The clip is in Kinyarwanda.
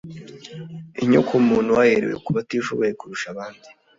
inyokomuntu haherewe ku batishoboye kurusha abandi